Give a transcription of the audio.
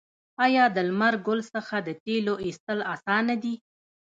آیا د لمر ګل څخه د تیلو ایستل اسانه دي؟